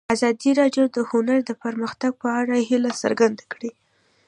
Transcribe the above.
ازادي راډیو د هنر د پرمختګ په اړه هیله څرګنده کړې.